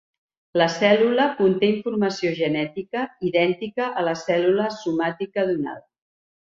La cèl·lula conté informació genètica idèntica a la cèl·lula somàtica donada.